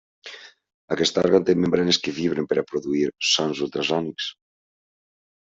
Aquest òrgan té membranes que vibren per a produir sons ultrasònics.